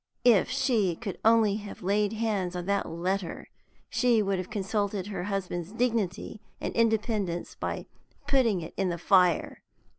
If she could only have laid hands on that letter, she would have consulted her husband's dignity and independence by putting it in the fire!